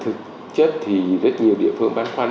thực chất thì rất nhiều địa phương bán khoăn